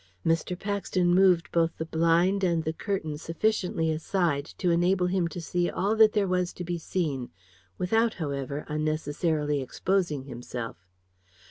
Mr. Paxton moved both the blind and the curtain sufficiently aside to enable him to see all that there was to be seen, without, however, unnecessarily exposing himself.